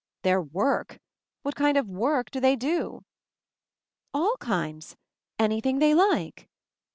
"Their work? What kind of work do they do?" "All kinds — anything they like."